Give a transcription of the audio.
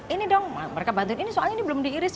ini dong mereka bantuin ini soalnya ini belum diiris